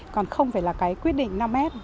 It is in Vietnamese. còn không phải là cái quyết định năm s